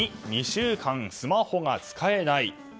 ２週間スマホが使えない！